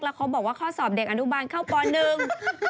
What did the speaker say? แล้วเขาบอกว่าข้อสอบเด็กอนุบาลเข้าปหนึ่ง